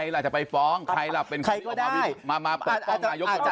แล้วคุณพิษตอบความที่ว่าใครล่ะ